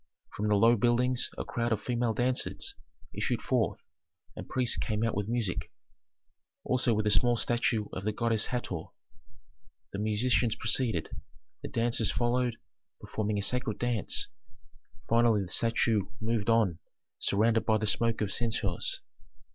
From the low buildings a crowd of female dancers issued forth, and priests came out with music, also with a small statue of the goddess Hator. The musicians preceded, the dancers followed, performing a sacred dance; finally the statue moved on surrounded by the smoke of censers.